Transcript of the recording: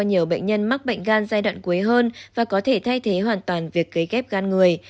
nhiều bệnh nhân mắc bệnh gan giai đoạn cuối hơn và có thể thay thế hoàn toàn việc cấy ghép gan người